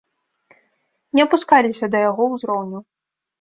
Не апускаліся да яго ўзроўню.